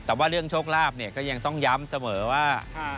แต่ว่าเรื่องโชคลาภเนี่ยก็ยังต้องย้ำเสมอว่า